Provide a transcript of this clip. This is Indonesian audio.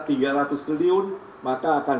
tiga ratus triliun maka akan